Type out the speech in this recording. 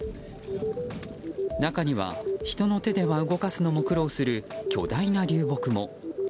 中には人の手では動かすのも苦労する巨大な流木も。